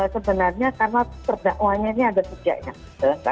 sebenarnya karena terdakwanya ini ada sejaknya